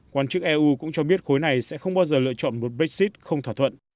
quan chức eu cũng cho biết khối này sẽ không bao giờ lựa chọn một brexit không thỏa thuận